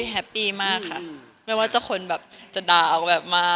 แฮปปี้มากค่ะไม่ว่าจะคนแบบจะด่าเอาแบบมา